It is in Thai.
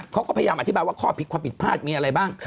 เขาก็พยายามอธิบายว่าข้อผิดความผิดพลาดมีอะไรบ้าง